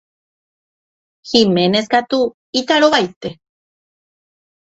Giménez katu itarovaite.